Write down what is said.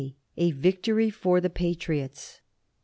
A VICTORY FOR THE PATRIOTS.